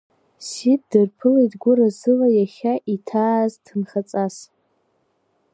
Сиҭ дырԥылеит гәыразыла, иахьа иҭааз ҭынхаҵас.